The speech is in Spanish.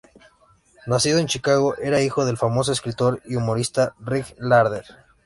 Nacido en Chicago, era hijo del famoso escritor y humorista Ring Lardner.